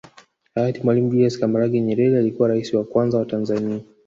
Hayati Mwalimu Julius Kambarage Nyerere alikuwa Rais wa Kwanza wa Tanzania